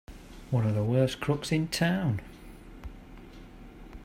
One of the worst crooks in town!